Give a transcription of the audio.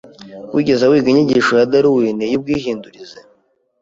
Wigeze wiga inyigisho ya Darwin y'ubwihindurize?